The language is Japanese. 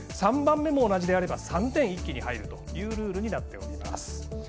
３番目も同じであれば３点が一気に入るルールになっております。